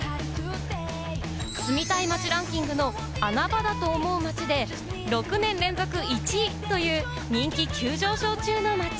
住みたい街ランキングの穴場だと思う街で、６年連続１位という人気急上昇中の街。